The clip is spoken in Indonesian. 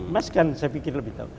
mas kan saya pikir lebih tahu